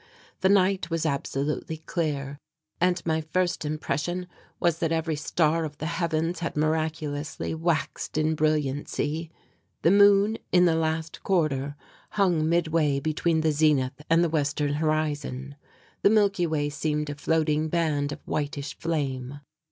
The night was absolutely clear and my first impression was that every star of the heavens had miraculously waxed in brilliancy. The moon, in the last quarter, hung midway between the zenith and the western horizon. The milky way seemed a floating band of whitish flame.